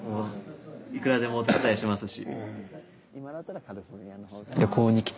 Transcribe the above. いくらでもお手伝いしますし。